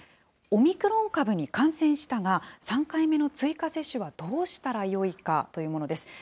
オミクロン株に感染したが、３回目の追加接種はどうしたらよいかというものです。